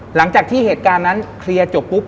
หลังจากที่เหตุการณ์นั้นเคลียร์จบปุ๊บ